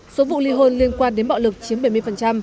số vụ ly hôn liên quan đến bạo lực chiếm bảy mươi